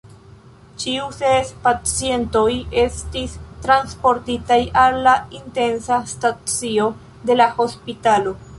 Ĉiu ses pacientoj estis transportitaj al la intensa stacio de la hospitalo.